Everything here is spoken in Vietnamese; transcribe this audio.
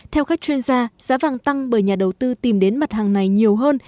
theo các chuyên gia giá vàng tăng bởi nhà đầu tư tìm đến mặt hàng này nhiều hơn